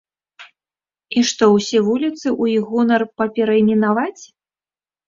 І што, усе вуліцы ў іх гонар паперайменаваць?